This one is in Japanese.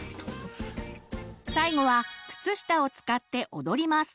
最後は靴下を使って踊ります！